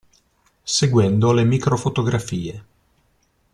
Seguendo le microfotografie.